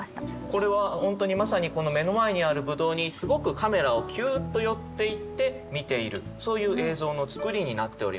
これは本当にまさにこの目の前にある葡萄にすごくカメラをキューッと寄っていって見ているそういう映像の作りになっております。